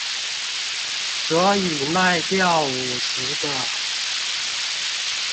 所以賣掉五十個